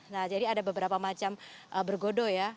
nah jadi ada beberapa macam bergodo ya